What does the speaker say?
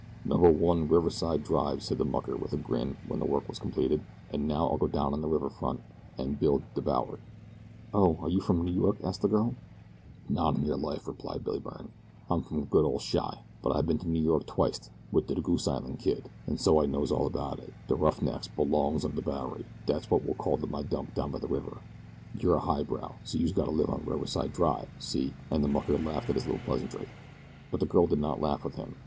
"Number One, Riverside Drive," said the mucker, with a grin, when the work was completed; "an' now I'll go down on de river front an' build de Bowery." "Oh, are you from New York?" asked the girl. "Not on yer life," replied Billy Byrne. "I'm from good ol' Chi; but I been to Noo York twict wit de Goose Island Kid, an' so I knows all about it. De roughnecks belongs on de Bowery, so dat's wot we'll call my dump down by de river. You're a highbrow, so youse gotta live on Riverside Drive, see?" and the mucker laughed at his little pleasantry. But the girl did not laugh with him.